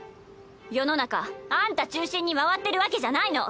世の中あんた中心に回ってるわけじゃないの。